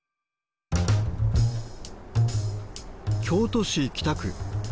京都市北区。